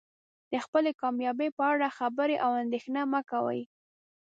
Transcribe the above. د خپلې کامیابۍ په اړه خبرې او اندیښنه مه کوئ.